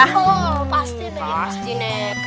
oh pasti baik baik